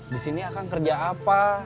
disini akang kerja apa